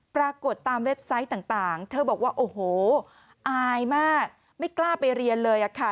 ปรากฏตามเว็บไซต์ต่างเธอบอกว่าโอ้โหอายมากไม่กล้าไปเรียนเลยค่ะ